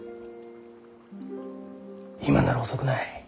今なら遅くない。